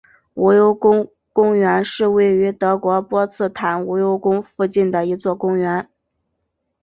无忧宫公园是位于德国波茨坦无忧宫附近的一座公园。